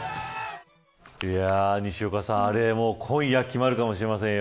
西岡さん、アレ今夜決まるかもしれませんよ。